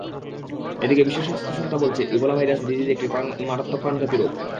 এদিকে বিশ্ব স্বাস্থ্য সংস্থা বলছে, ইবোলা ভাইরাস ডিজিজ একটি মারাত্মক প্রাণঘাতী রোগ।